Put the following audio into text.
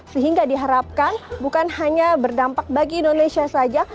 sehingga diharapkan bukan hanya berdampak bagi indonesia saja